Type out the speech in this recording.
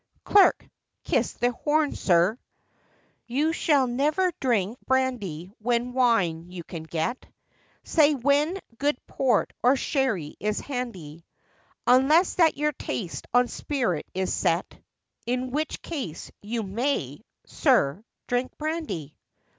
Clerk. 'Kiss the horn, sir!' You shall never drink brandy when wine you can get, Say when good port or sherry is handy; Unless that your taste on spirit is set, In which case—you may, sir, drink brandy!